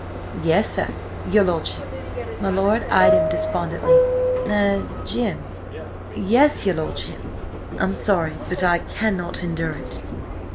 "Yes, sir–your lordship." My lord eyed him despondently. "Er–Jim!" "Yes–your lordship?" "I'm sorry, but I cannot endure it."